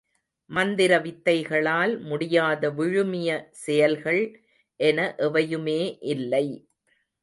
மந்திர வித்தைகளால் முடியாத விழுமிய செயல்கள் என எவையுமே இல்லை.